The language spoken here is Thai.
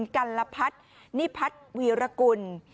กัลลพรรษนิพรัฐวีรคุณ